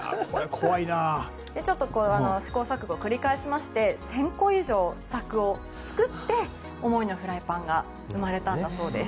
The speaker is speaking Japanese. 試行錯誤を繰り返して１０００個以上、試作を作っておもいのフライパンが生まれたんだそうです。